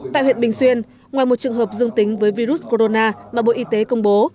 tại huyện bình xuyên ngoài một trường hợp dương tính với virus corona mà bộ y tế công bố